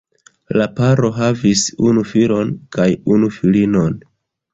La paro havis unu filon kaj unu filinon.